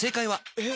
えっ？